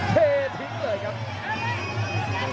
เททิ้งเลยครับ